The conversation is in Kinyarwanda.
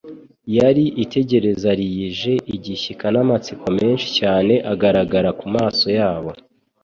yari itegerezariyije igishyika n'amatsiko menshi cyane agaragara ku maso yabo.